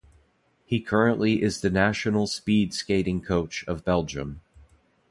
He currently is the national speed skating coach of Belgium.